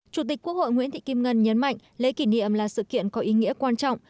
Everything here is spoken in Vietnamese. chủ tịch quốc hội nguyễn thị kim ngân nhấn mạnh lễ kỷ niệm là sự kiện có ý nghĩa quan trọng